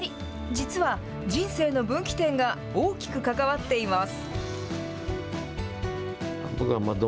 実は人生の分岐点が大きく関わっています。